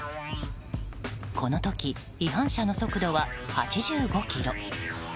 この時、違反車の速度は８５キロ。